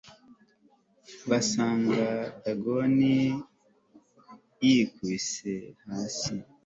basanga dagoni yikubise hasi